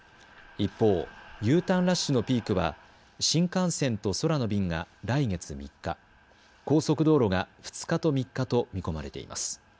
一方Ｕターンラッシュのピークは新幹線と空の便が来月３日高速道路が２日と３日と見込まれています。